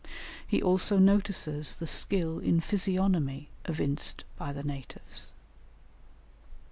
He also notices the skill in physiognomy evinced by the natives.